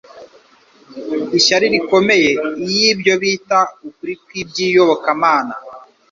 Ishyari rikomeye iy'ibyo bita ukuri kw'iby'iyobokamana,